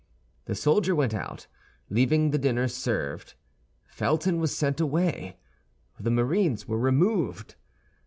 The soldier went out, leaving the dinner served. Felton was sent away. The marines were removed.